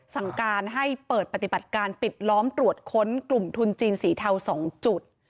สั่งการให้เปิดปฏิบัติการปิดล้อมตรวจค้นกลุ่มทุนจีนสีเทา๒จุด